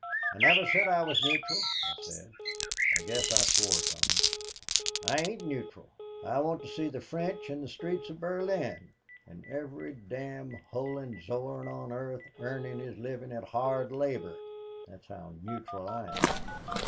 "'I never said I was neutral,' I said. I guess I swore some. 'I ain't neutral. I want to see the French in the streets of Berlin and every damned Hohenzollern on earth earning his living at hard labor, that's how neutral I am.'